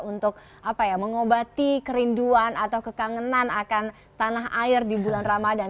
untuk apa ya mengobati kerinduan atau kekangenan akan tanah air di bulan ramadhan